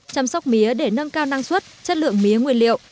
chăm sóc mía để nâng cao năng suất chất lượng mía nguyên liệu